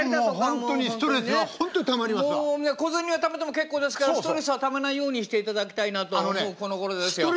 もう小銭はためても結構ですからストレスはためないようにしていただきたいなと思うこのごろですよ。